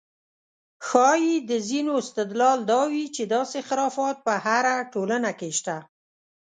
ښایي د ځینو استدلال دا وي چې داسې خرافات په هره ټولنه کې شته.